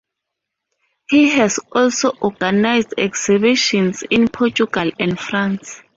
He has also organised exhibitions in Portugal and France.